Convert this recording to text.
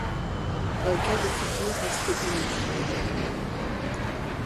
Un cas de figure resté unique.